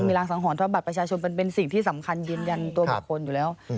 มีรางสังหรณ์เพราะบัตรประชาชนมันเป็นสิ่งที่สำคัญยืนยันตัวบุคคลอยู่แล้ว